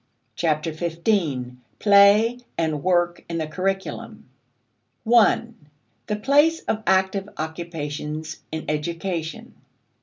Chapter Fifteen: Play and Work in the Curriculum 1. The Place of Active Occupations in Education.